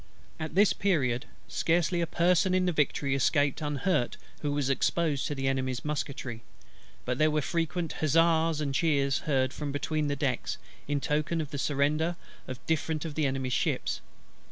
At this period, scarcely a person in the Victory escaped unhurt who was exposed to the Enemy's musketry; but there were frequent huzzas and cheers heard from between the decks, in token of the surrender of different of the Enemy's ships.